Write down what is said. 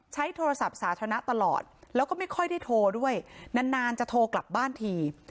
ใช้โทรศัพท์สาธารณะตลอดแล้วก็ไม่ค่อยได้โทรด้วยนานจะโทรกลับบ้านที